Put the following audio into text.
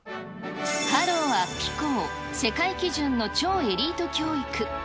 ハロウ安比校、世界基準の超エリート教育。